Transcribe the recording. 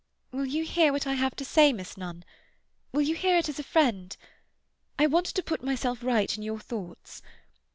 "Will you hear what I have to say, Miss Nunn? Will you hear it as a friend? I want to put myself right in your thoughts.